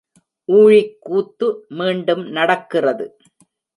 ஊழிக் கூத்து மீண்டும் நடக்கிறது.